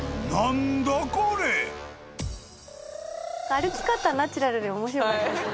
歩き方ナチュラルで面白かったですね。